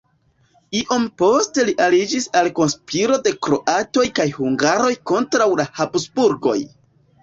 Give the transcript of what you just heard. Iom poste li aliĝis al konspiro de kroatoj kaj hungaroj kontraŭ la Habsburgoj.